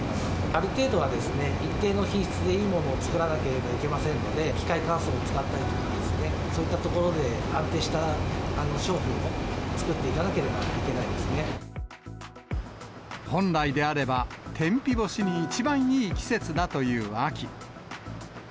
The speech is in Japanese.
ある程度はですね、一定の品質でいいものを作らなければいけませんので、機械乾燥を使ったりとか、そういったところで安定した商品を作っ本来であれば、天日干しに一番いい季節だという秋。